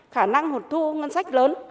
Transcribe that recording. khả năng hụt thu ngân sách lớn